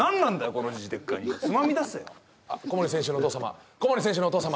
このジジイデッカいつまみ出せよ小森選手のお父様小森選手のお父様